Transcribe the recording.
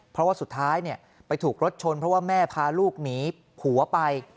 เพราะว่าสุดท้ายไปถูกรถชนเพราะว่าแม่พาลูกหนีผัวไป